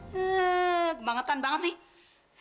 hmm gembangetan banget sih